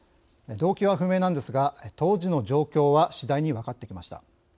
動機は不明なんですが当時の状況はしだいに分かってきました。